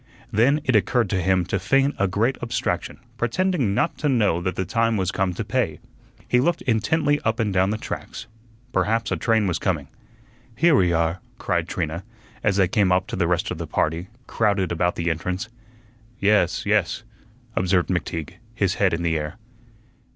Then it occurred to him to feign a great abstraction, pretending not to know that the time was come to pay. He looked intently up and down the tracks; perhaps a train was coming. "Here we are," cried Trina, as they came up to the rest of the party, crowded about the entrance. "Yes, yes," observed McTeague, his head in the air.